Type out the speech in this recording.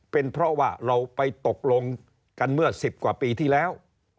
เป็นเพราะว่าเราไปตกลงกันเมื่อ๑๐กว่าปีที่แล้ว